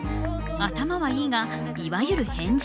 頭はいいがいわゆる変人。